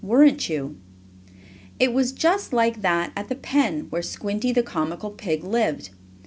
Weren't you? It was just like that at the pen where Squinty, the comical pig, lived.